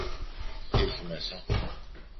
Τι έχει μέσα!